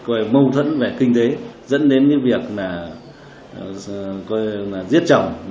người vợ làm ăn do mâu thuẫn về kinh tế dẫn đến việc giết chồng và sau đó giết chồng